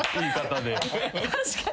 確かに。